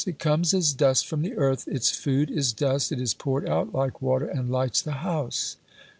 It comes as dust from the earth, its food is dust, it is poured out like water, and lights the house."